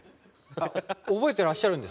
あっ覚えてらっしゃるんですか？